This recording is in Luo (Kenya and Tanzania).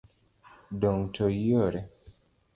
Dong' to iore.